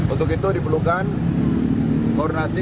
untuk itu diperlukan koordinasi